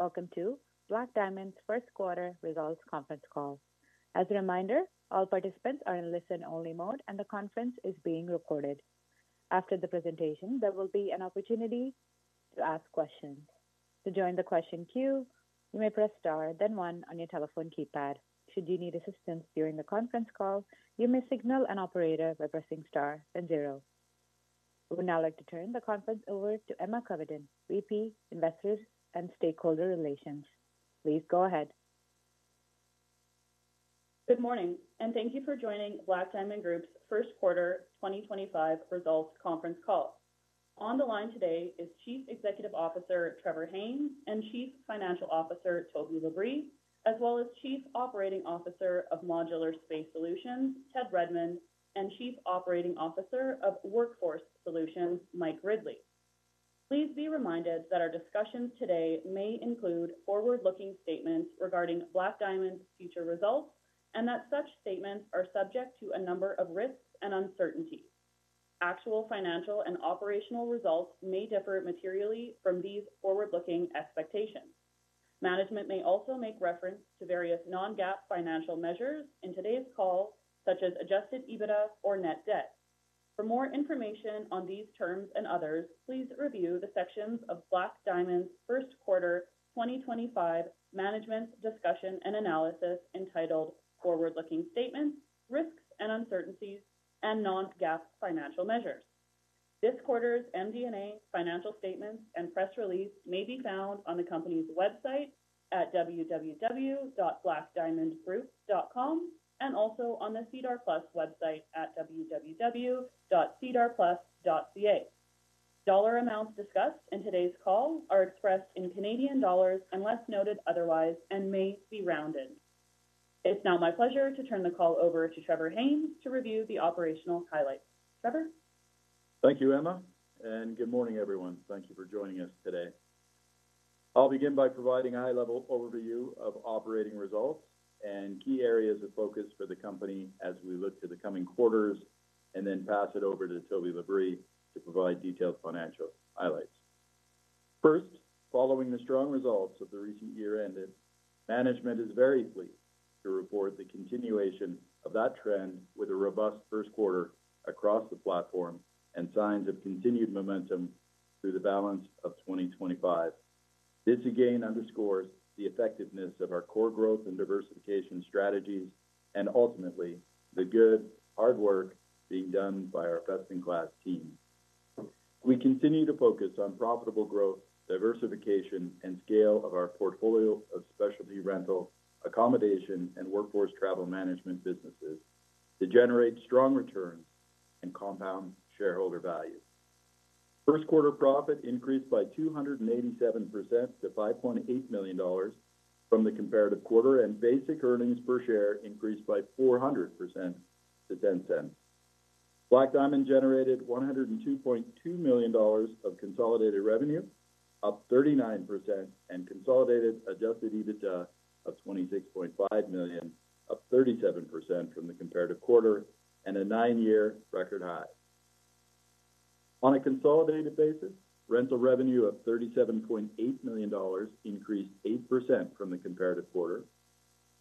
Welcome to Black Diamond's first quarter results conference call. As a reminder, all participants are in listen-only mode, and the conference is being recorded. After the presentation, there will be an opportunity to ask questions. To join the question queue, you may press star, then one on your telephone keypad. Should you need assistance during the conference call, you may signal an operator by pressing star and zero. We would now like to turn the conference over to Emma Covenden, Vice President, Investors and Stakeholder Relations. Please go ahead. Good morning, and thank you for joining Black Diamond Group's First Quarter 2025 results conference call. On the line today is Chief Executive Officer Trevor Haynes and Chief Financial Officer Toby LaBrie, as well as Chief Operating Officer of Modular Space Solutions Ted Redmond and Chief Operating Officer of Workforce Solutions Mike Ridley. Please be reminded that our discussions today may include forward-looking statements regarding Black Diamond's future results and that such statements are subject to a number of risks and uncertainties. Actual financial and operational results may differ materially from these forward-looking expectations. Management may also make reference to various non-GAAP financial measures in today's call, such as adjusted EBITDA or net debt. For more information on these terms and others, please review the sections of Black Diamond's first quarter 2025 management discussion and analysis entitled Forward-Looking Statements, Risks and Uncertainties, and Non-GAAP Financial Measures. This quarter's MD&A financial statements and press release may be found on the company's website at www.blackdiamondgroup.com and also on the Cedar Plus website at www.cedarplus.ca. Dollar amounts discussed in today's call are expressed in CAD unless noted otherwise and may be rounded. It's now my pleasure to turn the call over to Trevor Haynes to review the operational highlights. Trevor. Thank you, Emma, and good morning, everyone. Thank you for joining us today. I'll begin by providing a high-level overview of operating results and key areas of focus for the company as we look to the coming quarters, and then pass it over to Toby LaBrie to provide detailed financial highlights. First, following the strong results of the recent year-end, management is very pleased to report the continuation of that trend with a robust first quarter across the platform and signs of continued momentum through the balance of 2025. This again underscores the effectiveness of our core growth and diversification strategies and ultimately the good hard work being done by our best in class team. We continue to focus on profitable growth, diversification, and scale of our portfolio of specialty rental accommodation and workforce travel management businesses to generate strong returns and compound shareholder value. First quarter profit increased by 287% to 5.8 million dollars from the comparative quarter, and basic earnings per share increased by 400% to 0.10. Black Diamond generated 102.2 million dollars of consolidated revenue, up 39%, and consolidated adjusted EBITDA of 26.5 million, up 37% from the comparative quarter and a nine-year record high. On a consolidated basis, rental revenue of 37.8 million dollars increased 8% from the comparative quarter.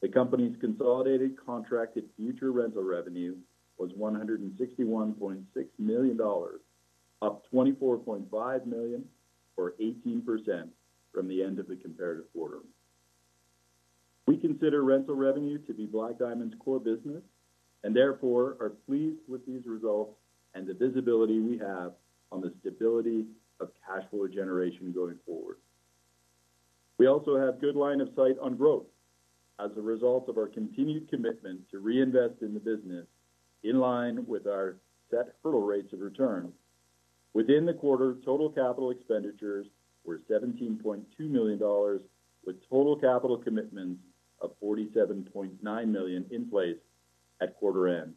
The company's consolidated contracted future rental revenue was 161.6 million dollars, up 24.5 million or 18% from the end of the comparative quarter. We consider rental revenue to be Black Diamond's core business and therefore are pleased with these results and the visibility we have on the stability of cash flow generation going forward. We also have good line of sight on growth as a result of our continued commitment to reinvest in the business in line with our set hurdle rates of return. Within the quarter, total capital expenditures were 17.2 million dollars with total capital commitments of 47.9 million in place at quarter end,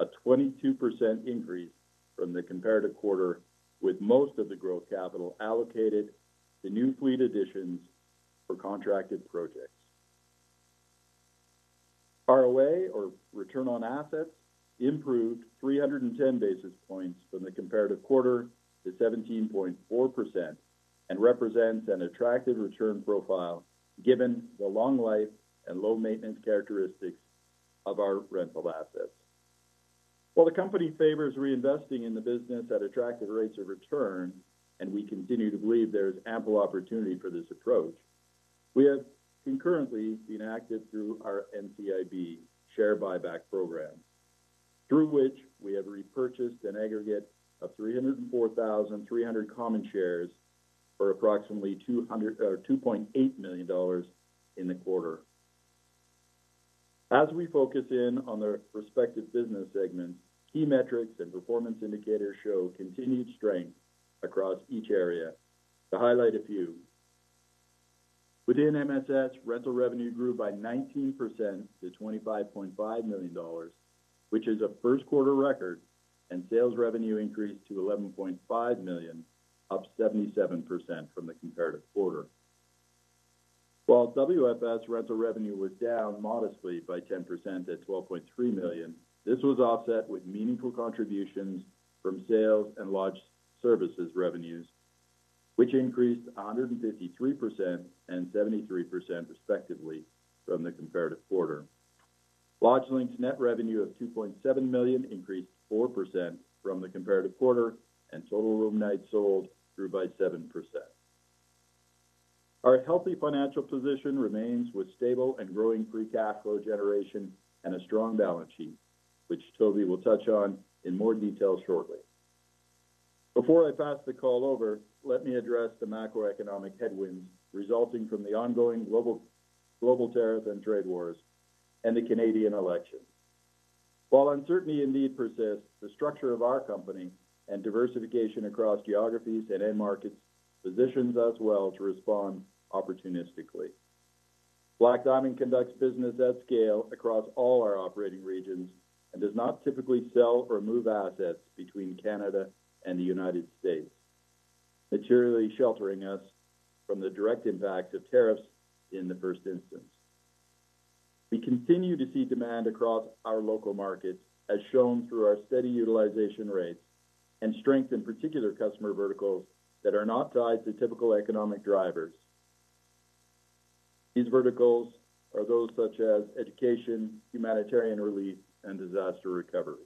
a 22% increase from the comparative quarter with most of the gross capital allocated to new fleet additions for contracted projects. ROA, or return on assets, improved 310 basis points from the comparative quarter to 17.4% and represents an attractive return profile given the long life and low maintenance characteristics of our rental assets. While the company favors reinvesting in the business at attractive rates of return, and we continue to believe there is ample opportunity for this approach, we have concurrently been active through our NCIB share buyback program, through which we have repurchased an aggregate of 304,300 common shares for approximately 2.8 million dollars in the quarter. As we focus in on the respective business segments, key metrics and performance indicators show continued strength across each area. To highlight a few, within MSS, rental revenue grew by 19% to 25.5 million dollars, which is a first quarter record, and sales revenue increased to 11.5 million, up 77% from the comparative quarter. While WFS rental revenue was down modestly by 10% at 12.3 million, this was offset with meaningful contributions from sales and lodge services revenues, which increased 153% and 73% respectively from the comparative quarter. LodgeLink's net revenue of 2.7 million increased 4% from the comparative quarter, and total room nights sold grew by 7%. Our healthy financial position remains with stable and growing free cash flow generation and a strong balance sheet, which Toby will touch on in more detail shortly. Before I pass the call over, let me address the macroeconomic headwinds resulting from the ongoing global tariff and trade wars and the Canadian election. While uncertainty indeed persists, the structure of our company and diversification across geographies and end markets positions us well to respond opportunistically. Black Diamond conducts business at scale across all our operating regions and does not typically sell or move assets between Canada and the United States, materially sheltering us from the direct impacts of tariffs in the first instance. We continue to see demand across our local markets, as shown through our steady utilization rates and strength in particular customer verticals that are not tied to typical economic drivers. These verticals are those such as education, humanitarian relief, and disaster recovery.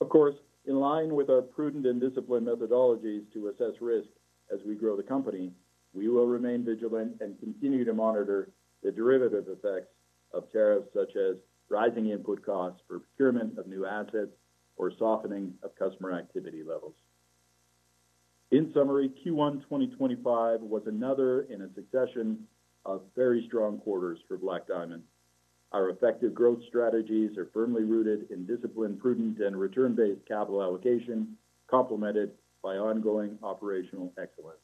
Of course, in line with our prudent and disciplined methodologies to assess risk as we grow the company, we will remain vigilant and continue to monitor the derivative effects of tariffs such as rising input costs for procurement of new assets or softening of customer activity levels. In summary, Q1 2025 was another in a succession of very strong quarters for Black Diamond. Our effective growth strategies are firmly rooted in discipline, prudent, and return-based capital allocation, complemented by ongoing operational excellence.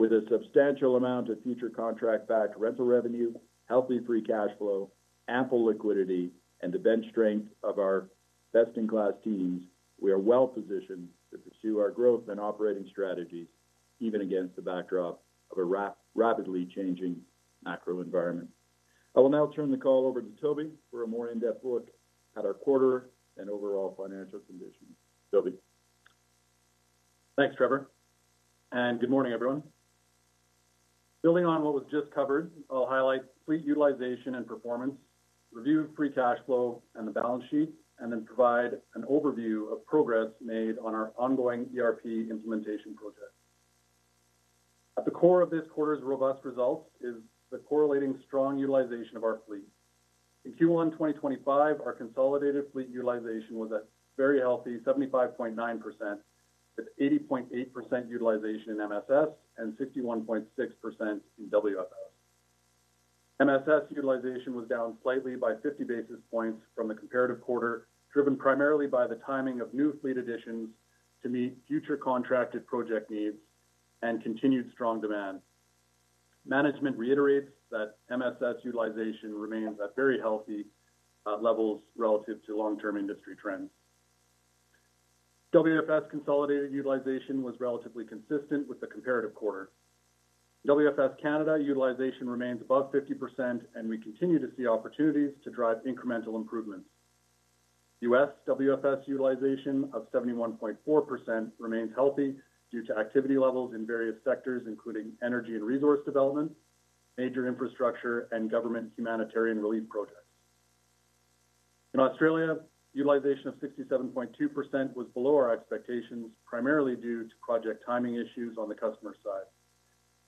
With a substantial amount of future contract-backed rental revenue, healthy free cash flow, ample liquidity, and the bench strength of our best-in-class teams, we are well positioned to pursue our growth and operating strategies even against the backdrop of a rapidly changing macro environment. I will now turn the call over to Toby for a more in-depth look at our quarter and overall financial conditions. Toby. Thanks, Trevor. Good morning, everyone. Building on what was just covered, I'll highlight fleet utilization and performance, review free cash flow and the balance sheet, and then provide an overview of progress made on our ongoing ERP implementation project. At the core of this quarter's robust results is the correlating strong utilization of our fleet. In Q1 2025, our consolidated fleet utilization was at a very healthy 75.9%, with 80.8% utilization in MSS and 61.6% in WFS. MSS utilization was down slightly by 50 basis points from the comparative quarter, driven primarily by the timing of new fleet additions to meet future contracted project needs and continued strong demand. Management reiterates that MSS utilization remains at very healthy levels relative to long-term industry trends. WFS consolidated utilization was relatively consistent with the comparative quarter. WFS Canada utilization remains above 50%, and we continue to see opportunities to drive incremental improvements. US WFS utilization of 71.4% remains healthy due to activity levels in various sectors, including energy and resource development, major infrastructure, and government humanitarian relief projects. In Australia, utilization of 67.2% was below our expectations, primarily due to project timing issues on the customer side.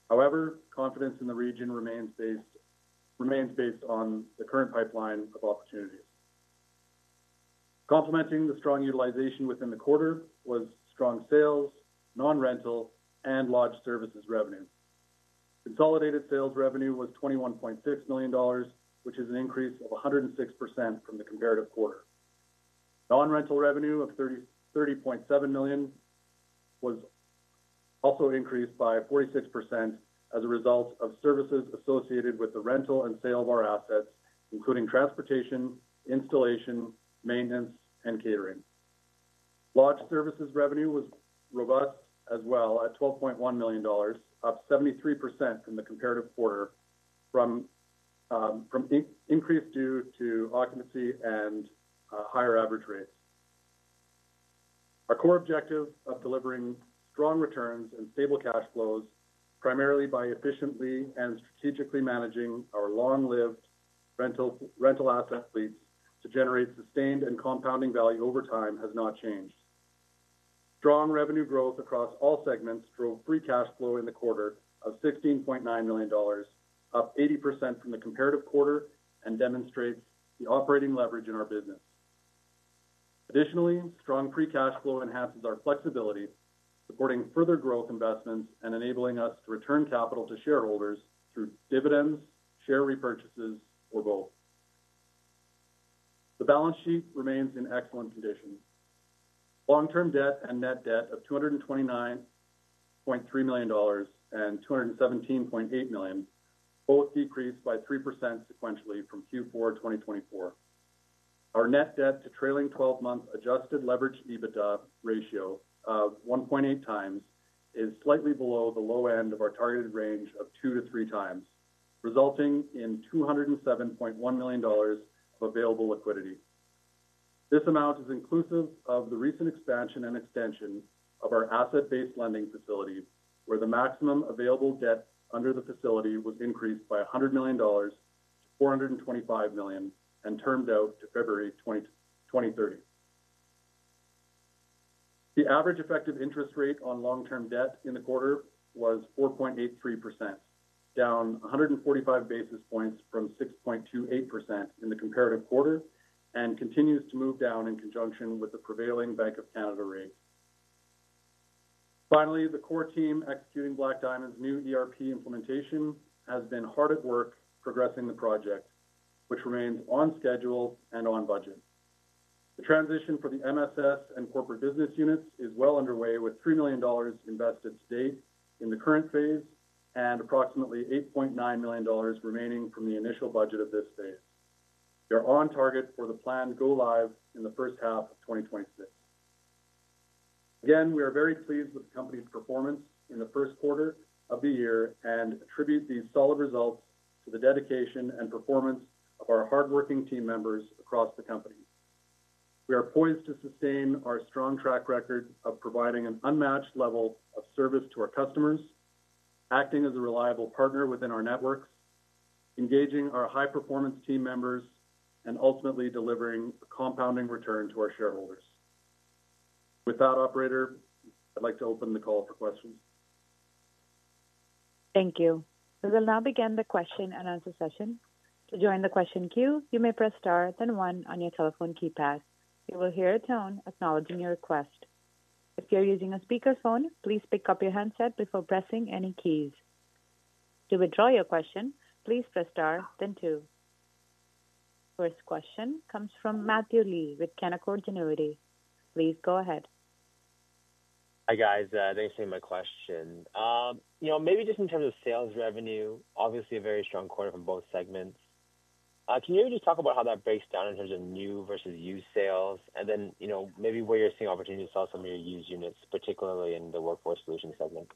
However, confidence in the region remains based on the current pipeline of opportunities. Complementing the strong utilization within the quarter was strong sales, non-rental, and lodge services revenue. Consolidated sales revenue was 21.6 million dollars, which is an increase of 106% from the comparative quarter. Non-rental revenue of 30.7 million was also increased by 46% as a result of services associated with the rental and sale of our assets, including transportation, installation, maintenance, and catering. Lodge services revenue was robust as well at 12.1 million dollars, up 73% from the comparative quarter, from increase due to occupancy and higher average rates. Our core objective of delivering strong returns and stable cash flows, primarily by efficiently and strategically managing our long-lived rental asset fleets to generate sustained and compounding value over time, has not changed. Strong revenue growth across all segments drove free cash flow in the quarter of 16.9 million dollars, up 80% from the comparative quarter, and demonstrates the operating leverage in our business. Additionally, strong free cash flow enhances our flexibility, supporting further growth investments and enabling us to return capital to shareholders through dividends, share repurchases, or both. The balance sheet remains in excellent condition. Long-term debt and net debt of 229.3 million dollars and 217.8 million both decreased by 3% sequentially from Q4 2024. Our net debt to trailing 12-month adjusted leverage EBITDA ratio of 1.8 times is slightly below the low end of our targeted range of two to three times, resulting in 207.1 million dollars of available liquidity. This amount is inclusive of the recent expansion and extension of our asset-based lending facility, where the maximum available debt under the facility was increased by 100 million dollars to 425 million and termed out to February 2030. The average effective interest rate on long-term debt in the quarter was 4.83%, down 145 basis points from 6.28% in the comparative quarter, and continues to move down in conjunction with the prevailing Bank of Canada rate. Finally, the core team executing Black Diamond's new ERP implementation has been hard at work progressing the project, which remains on schedule and on budget. The transition for the MSS and corporate business units is well underway, with 3 million dollars invested to date in the current phase and approximately 8.9 million dollars remaining from the initial budget of this phase. We are on target for the planned go live in the first half of 2026. Again, we are very pleased with the company's performance in the first quarter of the year and attribute these solid results to the dedication and performance of our hardworking team members across the company. We are poised to sustain our strong track record of providing an unmatched level of service to our customers, acting as a reliable partner within our networks, engaging our high-performance team members, and ultimately delivering a compounding return to our shareholders. With that, Operator, I'd like to open the call for questions. Thank you. We will now begin the question and answer session. To join the question queue, you may press star then one on your telephone keypad. You will hear a tone acknowledging your request. If you're using a speakerphone, please pick up your handset before pressing any keys. To withdraw your question, please press star then two. First question comes from Matthew Lee with Canaccord Genuity. Please go ahead. Hi, guys. Thanks for taking my question. You know, maybe just in terms of sales revenue, obviously a very strong quarter from both segments. Can you maybe just talk about how that breaks down in terms of new versus used sales, and then maybe where you're seeing opportunity to sell some of your used units, particularly in the workforce solution segment?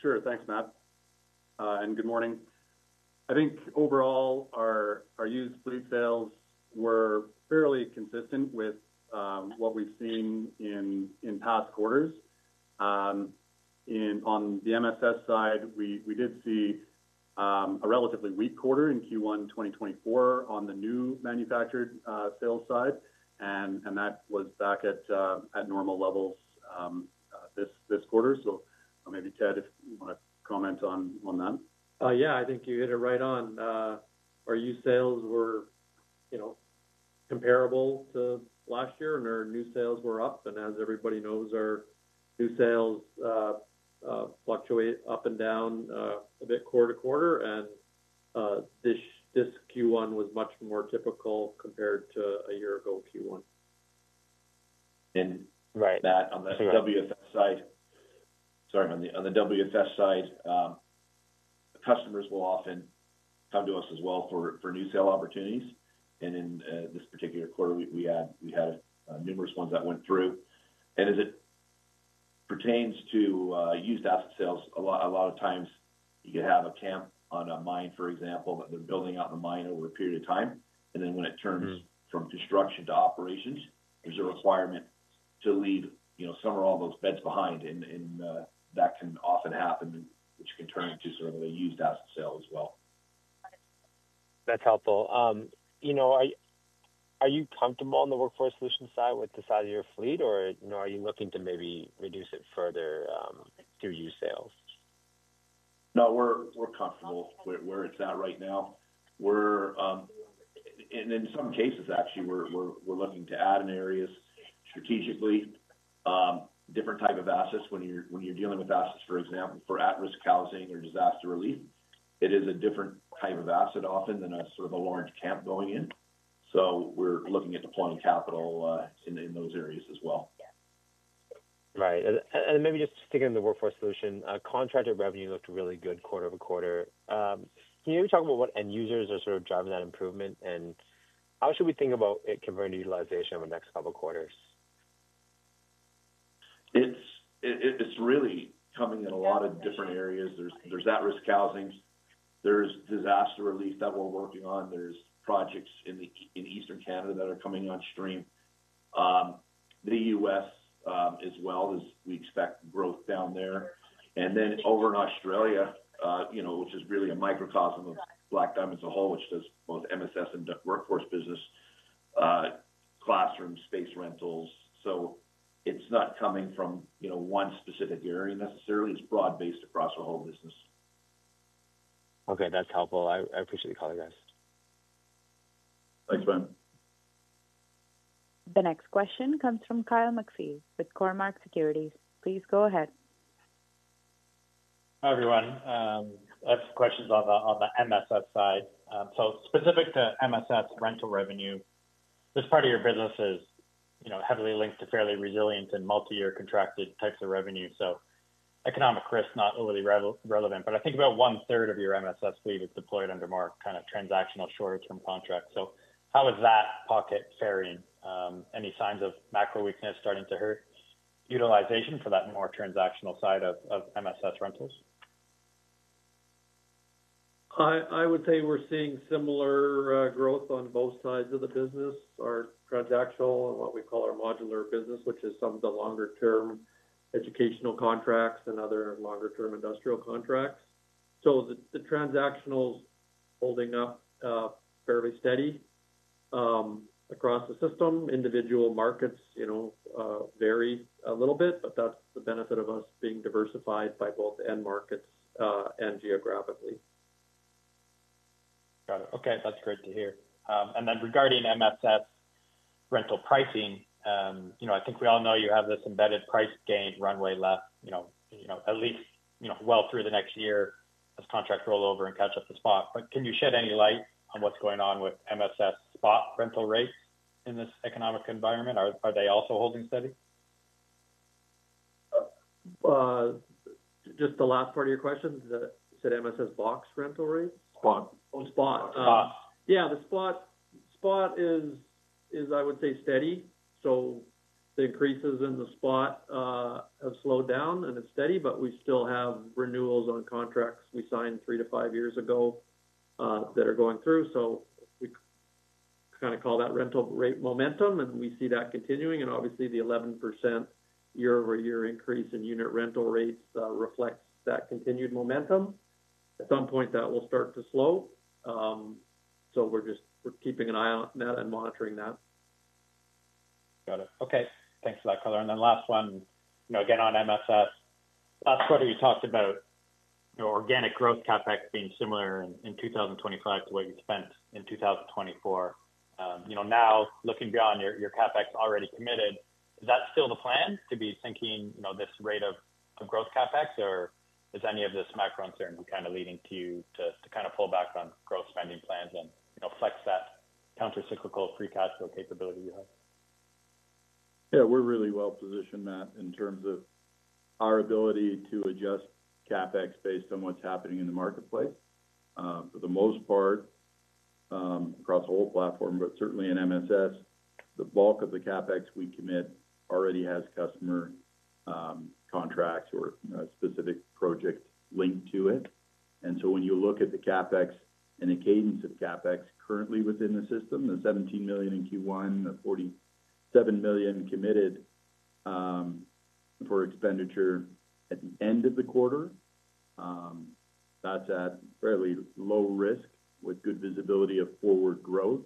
Sure. Thanks, Matt. Good morning. I think overall, our used fleet sales were fairly consistent with what we've seen in past quarters. On the MSS side, we did see a relatively weak quarter in Q1 2024 on the new manufactured sales side, and that was back at normal levels this quarter. Maybe, Ted, if you want to comment on that. Yeah, I think you hit it right on. Our used sales were comparable to last year, and our new sales were up. As everybody knows, our new sales fluctuate up and down a bit quarter to quarter, and this Q1 was much more typical compared to a year ago Q1. And. Right. On the WFS side, customers will often come to us as well for new sale opportunities. In this particular quarter, we had numerous ones that went through. As it pertains to used asset sales, a lot of times you could have a camp on a mine, for example, that they are building out in the mine over a period of time. When it turns from construction to operations, there is a requirement to leave some or all those beds behind. That can often happen, which can turn into sort of a used asset sale as well. That's helpful. Are you comfortable on the Workforce Solutions side with the size of your fleet, or are you looking to maybe reduce it further through used sales? No, we're comfortable where it's at right now. In some cases, actually, we're looking to add in areas strategically, different type of assets. When you're dealing with assets, for example, for at-risk housing or disaster relief, it is a different type of asset often than a sort of a large camp going in. We're looking at deploying capital in those areas as well. Right. Maybe just sticking in the workforce solution, contractor revenue looked really good quarter to quarter. Can you maybe talk about what end users are sort of driving that improvement, and how should we think about it converting to utilization over the next couple of quarters? It's really coming in a lot of different areas. There's at-risk housing. There's disaster relief that we're working on. There's projects in Eastern Canada that are coming on stream. The US as well, as we expect growth down there. Over in Australia, which is really a microcosm of Black Diamond as a whole, which does both MSS and workforce business, classroom space rentals. It's not coming from one specific area necessarily. It's broad-based across our whole business. Okay. That's helpful. I appreciate the call, you guys. Thanks, man. The next question comes from Kyle McPhee with Cormark Securities. Please go ahead. Hi, everyone. I have some questions on the MSS side. Specific to MSS rental revenue, this part of your business is heavily linked to fairly resilient and multi-year contracted types of revenue. Economic risk, not overly relevant. I think about one third of your MSS fleet is deployed under more kind of transactional shorter term contracts. How is that pocket faring? Any signs of macro weakness starting to hurt utilization for that more transactional side of MSS rentals? I would say we're seeing similar growth on both sides of the business, our transactional and what we call our modular business, which is some of the longer term educational contracts and other longer term industrial contracts. The transactional's holding up fairly steady across the system. Individual markets vary a little bit, but that's the benefit of us being diversified by both end markets and geographically. Got it. Okay. That's great to hear. Regarding MSS rental pricing, I think we all know you have this embedded price gain runway left, at least well through the next year as contracts roll over and catch up to Spot. Can you shed any light on what's going on with MSS Spot rental rates in this economic environment? Are they also holding steady? Just the last part of your question, you said MSS box rental rates? Spot. Oh, Spot. Spot. Yeah. The Spot is, I would say, steady. The increases in the Spot have slowed down, and it's steady, but we still have renewals on contracts we signed three to five years ago that are going through. We kind of call that rental rate momentum, and we see that continuing. Obviously, the 11% year-over-year increase in unit rental rates reflects that continued momentum. At some point, that will start to slow. We are just keeping an eye on that and monitoring that. Got it. Okay. Thanks for that, color. Last one, again, on MSS. Last quarter, you talked about your organic growth CapEx being similar in 2025 to what you spent in 2024. Now, looking beyond your CapEx already committed, is that still the plan to be sinking this rate of growth CapEx, or is any of this macro uncertainty kind of leading you to kind of pull back on growth spending plans and flex that countercyclical free cash flow capability you have? Yeah. We're really well positioned, Matt, in terms of our ability to adjust CapEx based on what's happening in the marketplace. For the most part, across the whole platform, but certainly in MSS, the bulk of the CapEx we commit already has customer contracts or specific projects linked to it. When you look at the CapEx and the cadence of CapEx currently within the system, the 17 million in Q1, the 47 million committed for expenditure at the end of the quarter, that's at fairly low risk with good visibility of forward growth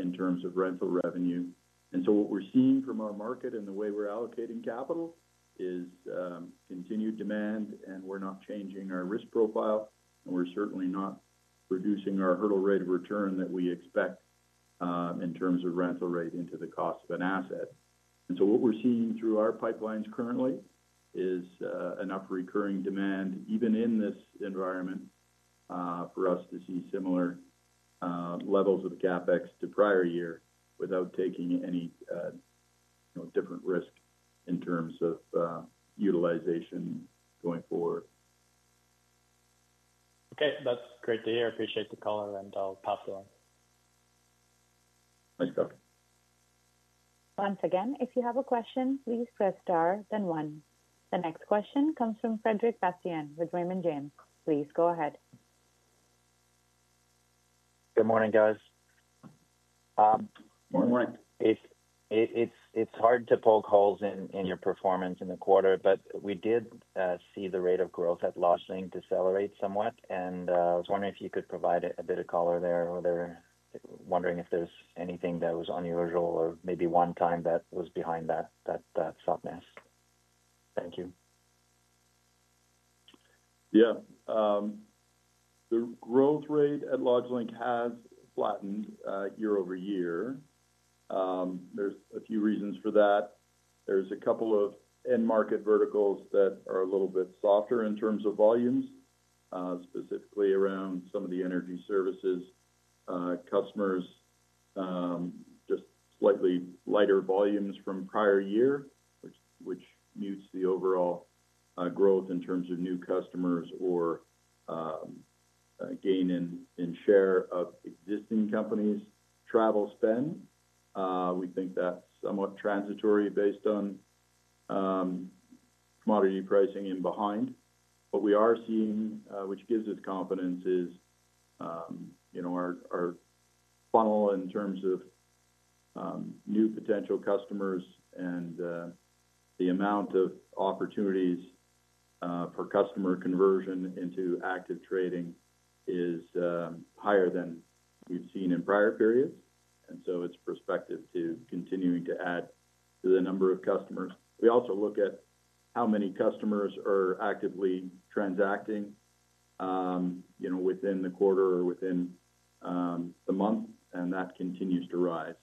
in terms of rental revenue. What we're seeing from our market and the way we're allocating capital is continued demand, and we're not changing our risk profile, and we're certainly not reducing our hurdle rate of return that we expect in terms of rental rate into the cost of an asset. What we're seeing through our pipelines currently is enough recurring demand, even in this environment, for us to see similar levels of CapEx to prior year without taking any different risk in terms of utilization going forward. Okay. That's great to hear. I appreciate the call, and I'll pass it on. Thanks, Kyle. Once again, if you have a question, please press star then one. The next question comes from Frederic Bastien with Raymond James. Please go ahead. Good morning, guys. Morning, It's hard to poke holes in your performance in the quarter, but we did see the rate of growth at LodgeLink decelerate somewhat. I was wondering if you could provide a bit of color there, or they're wondering if there's anything that was unusual or maybe one time that was behind that softness. Thank you. Yeah. The growth rate at LodgeLink has flattened year-over-year. There's a few reasons for that. There's a couple of end market verticals that are a little bit softer in terms of volumes, specifically around some of the energy services. Customers just slightly lighter volumes from prior year, which mutes the overall growth in terms of new customers or gain in share of existing companies. Travel spend, we think that's somewhat transitory based on commodity pricing in behind. What we are seeing, which gives us confidence, is our funnel in terms of new potential customers and the amount of opportunities for customer conversion into active trading is higher than we've seen in prior periods. It is perspective to continuing to add to the number of customers. We also look at how many customers are actively transacting within the quarter or within the month, and that continues to rise.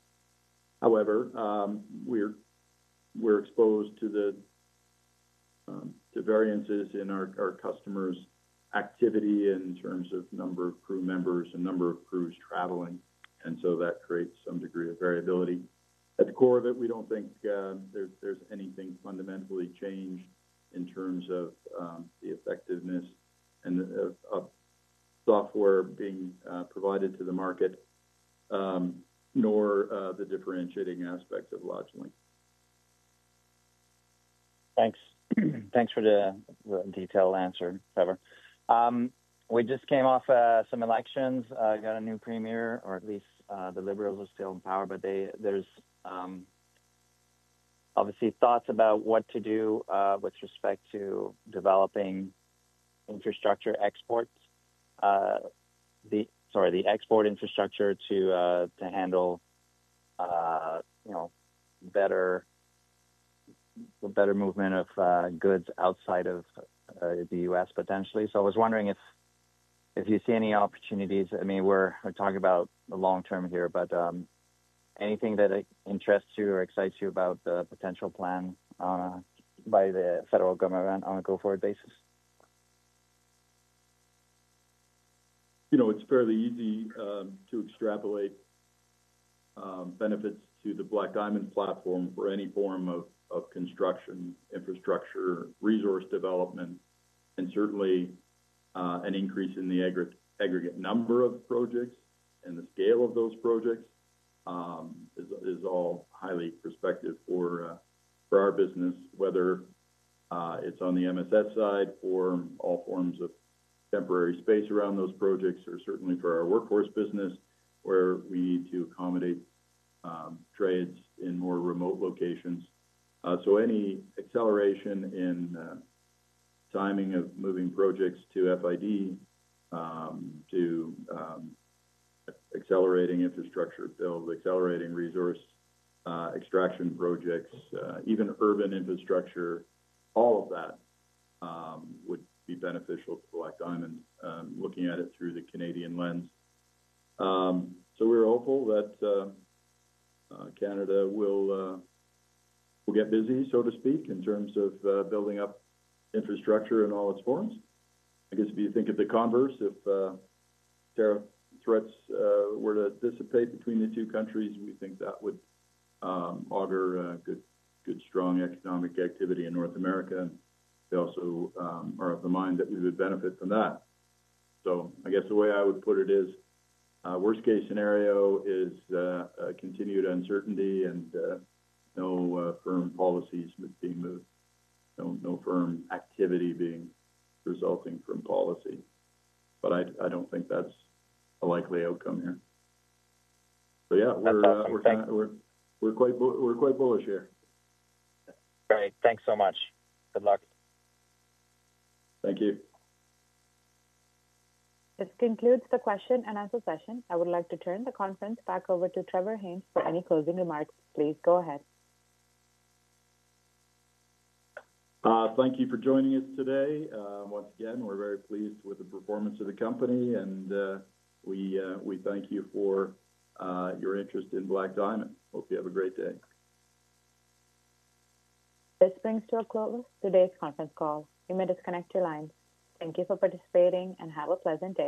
However, we're exposed to the variances in our customers' activity in terms of number of crew members and number of crews traveling. That creates some degree of variability. At the core of it, we don't think there's anything fundamentally changed in terms of the effectiveness and of software being provided to the market, nor the differentiating aspects of LodgeLink. Thanks. Thanks for the detailed answer, Trevor. We just came off some elections. We got a new premier, or at least the Liberals are still in power, but there's obviously thoughts about what to do with respect to developing infrastructure exports—sorry, the export infrastructure to handle better movement of goods outside of the U.S. potentially. I was wondering if you see any opportunities. I mean, we're talking about the long-term here, but anything that interests you or excites you about the potential plan by the federal government on a go-forward basis? It's fairly easy to extrapolate benefits to the Black Diamond platform for any form of construction, infrastructure, resource development, and certainly an increase in the aggregate number of projects and the scale of those projects is all highly perspective for our business, whether it's on the MSS side or all forms of temporary space around those projects, or certainly for our workforce business where we need to accommodate trades in more remote locations. Any acceleration in timing of moving projects to FID, to accelerating infrastructure build, accelerating resource extraction projects, even urban infrastructure, all of that would be beneficial to Black Diamond, looking at it through the Canadian lens. We're hopeful that Canada will get busy, so to speak, in terms of building up infrastructure in all its forms. I guess if you think of the converse, if tariff threats were to dissipate between the two countries, we think that would augur good, strong economic activity in North America. They also are of the mind that we would benefit from that. I guess the way I would put it is worst-case scenario is continued uncertainty and no firm policies being moved, no firm activity being resulting from policy. I don't think that's a likely outcome here. Yeah, we're quite bullish here. Great. Thanks so much. Good luck. Thank you. This concludes the question and answer session. I would like to turn the conference back over to Trevor Haynes for any closing remarks. Please go ahead. Thank you for joining us today. Once again, we're very pleased with the performance of the company, and we thank you for your interest in Black Diamond. Hope you have a great day. This brings to a close today's conference call. You may disconnect your lines. Thank you for participating and have a pleasant day.